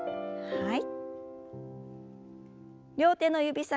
はい。